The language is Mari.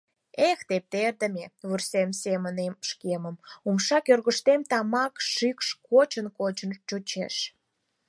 Эх, тептердыме!..» — вурсем семынем шкемым, умша кӧргыштем тамак шикш кочын-кочын чучеш.